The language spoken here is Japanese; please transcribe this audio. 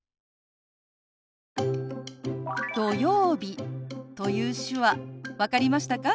「土曜日」という手話分かりましたか？